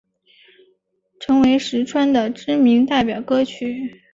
成为实川的知名代表歌曲。